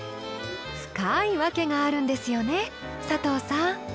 深い訳があるんですよね佐藤さん。